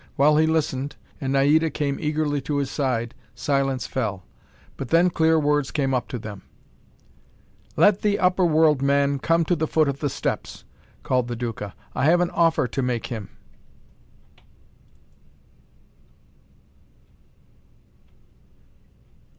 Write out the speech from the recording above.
While he listened, and Naida came eagerly to his side, silence fell. But then clear words came up to them. "Let the upper world man come to the foot of the steps," called the Duca. "I have an offer to make him!"